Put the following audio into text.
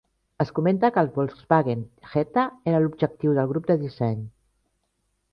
Es comenta que el Volkswagen Jetta era l'objectiu del grup de disseny.